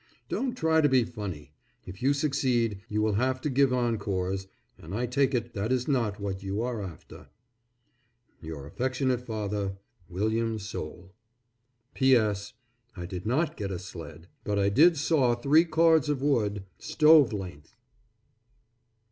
Don't try to be funny, if you succeed you will have to give encores, and I take it that is not what you are after. Your affectionate father, WILLIAM SOULE. P. S. I did not get a sled; but I did saw three cords of wood, stove length.